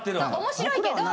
面白いけど。